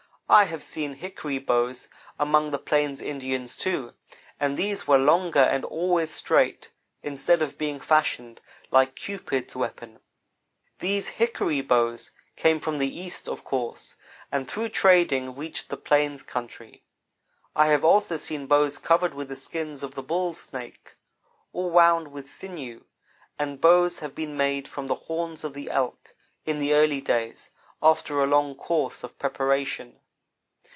I have seen hickory bows among the plains Indians, too, and these were longer and always straight, instead of being fashioned like Cupid's weapon. These hickory bows came from the East, of course, and through trading, reached the plains country. I have also seen bows covered with the skins of the bull snake, or wound with sinew, and bows have been made from the horns of the elk, in the early days, after a long course of preparation.